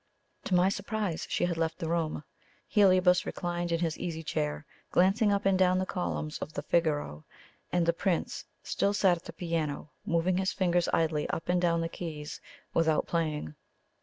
To my surprise she had left the room. Heliobas reclined in his easy chair, glancing up and down the columns of the Figaro; and the Prince still sat at the piano, moving his fingers idly up and down the keys without playing.